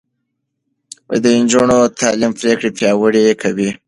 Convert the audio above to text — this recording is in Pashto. د نجونو تعليم پرېکړې پياوړې کوي.